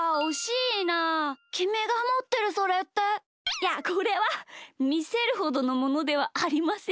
いやこれはみせるほどのものではありません。